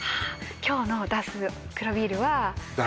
今日の出す黒ビールは大丈夫？